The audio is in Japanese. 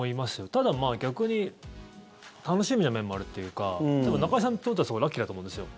ただ、逆に楽しみな面もあるっていうか例えば、中居さんにとってはすごいラッキーだと思うんです。